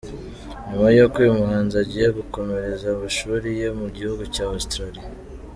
Nyuma y’uko uyu muhanzi Agiye gukomereza amashuli ye mu gihugu cya Australie.